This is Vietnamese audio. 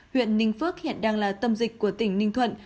huyện ninh phước hiện đang là tâm dịch của tỉnh ninh thuận